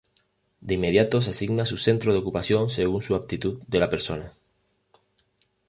De inmediato se asigna su centro de ocupación según su aptitud de la persona.